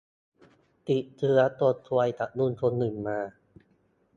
ติดเชื้อตัวซวยจากลุงคนหนึ่งมา